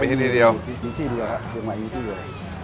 มีที่เดียวมีที่เดียวครับเชียงใหม่มีที่เดียว